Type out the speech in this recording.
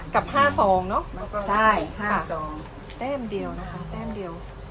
กับ๕ซองเนอะใช่๕ซองแต้มเดียวนะคะแต้มเดียว